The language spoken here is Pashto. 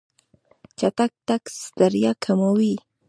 چټک تګ ستړیا کموي.